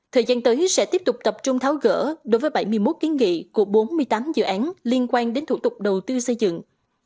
thời gian tới sẽ tiếp tục tập trung tháo gỡ đối với bảy mươi một kiến nghị của bốn mươi tám dự án liên quan đến thủ tục đầu tư xây dựng